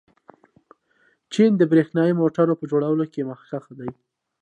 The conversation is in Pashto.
چین د برښنايي موټرو په جوړولو کې مخکښ دی.